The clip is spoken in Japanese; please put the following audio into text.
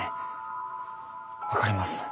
分かります。